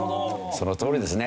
そのとおりですね。